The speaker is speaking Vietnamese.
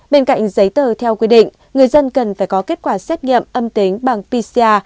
bên cạnh giấy tờ theo quy định người dân cần phải có kết quả xét nghiệm âm tính bằng pcr